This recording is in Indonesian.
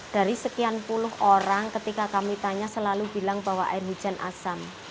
dari sekian puluh orang ketika kami tanya selalu bilang bahwa air hujan asam